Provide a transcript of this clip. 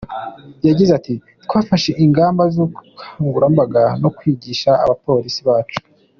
Yagize ati :”twafashe ingamba z’ubukangurambaga no kwigisha abapolisi bacu.